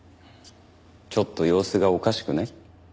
ちょっと様子がおかしくない？